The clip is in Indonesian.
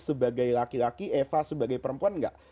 sebagai laki laki eva sebagai perempuan enggak